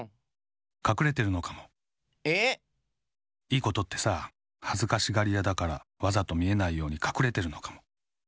いいことってさはずかしがりやだからわざとみえないようにかくれてるのかも。